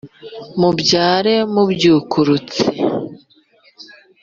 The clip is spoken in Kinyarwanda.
mubyare mubyukurutse